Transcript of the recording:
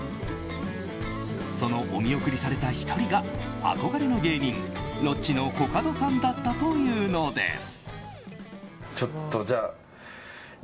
そのお見送りされた１人が憧れの芸人ロッチのコカドさんだったというのです。